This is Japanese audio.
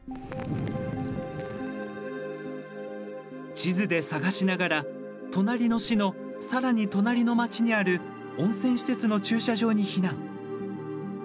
地図で探しながら隣の市の、さらに隣の町にある温泉施設の駐車場に避難。